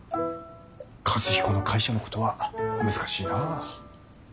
和彦の会社のことは難しいな。